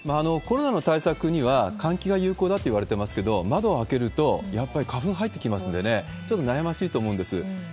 コロナの対策には換気が有効だといわれてますけれども、窓を開けるとやっぱり花粉入ってきますんでね、ちょっと悩ましいと思うんです。